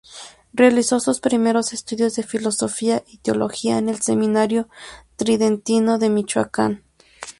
Realizó sus primeros estudios de Filosofía y Teología en el Seminario Tridentino de Michoacán.